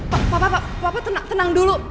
pak tenang dulu